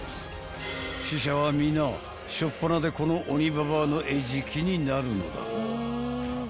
［死者は皆初っぱなでこの鬼ババアの餌食になるのだ］